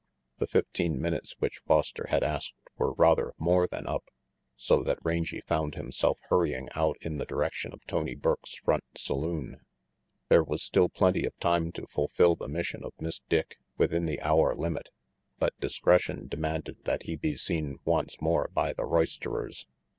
The fifteen minutes 'which Foster had asked were rather more than up, so that Rangy found himself hurrying out in the direction of Tony Burke's front saloon. There was still plenty of time to fulfil the mission of Miss Dick within the hour limit; but discretion demanded that he be seen once more by the roisterers.